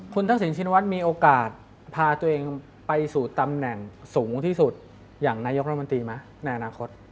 คุณทักษิณชินวัฒน์มีโอกาสพาตัวเองไปสู่ตำแหน่งสูงที่สุดอย่างนายกรัฐมนตรีไหมในอนาคต